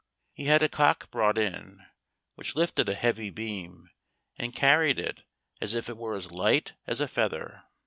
He had a cock brought in, which lifted a heavy beam and carried it as if it were as light as a feather.